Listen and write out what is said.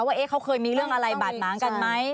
ว่าเขาเคยมีเรื่องอะไรบาดหมางกันไหม